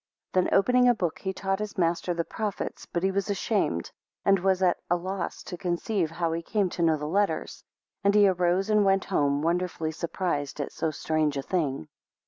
6 Then opening a book, he taught his master the prophets but he was ashamed, and was at a loss to conceive how he came to know the letters. 7 And he arose and went home, wonderfully surprised at so strange a thing.